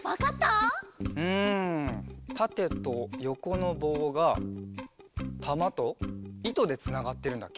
うんたてとよこのぼうがたまといとでつながってるんだっけ？